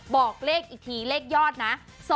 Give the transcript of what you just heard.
บอกเลขอีกทีเลขยอดนะ